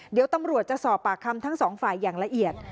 เดี๋ยวตำรวจจะสอบปากคำทั้งสองฝ่ายอย่างละเอียด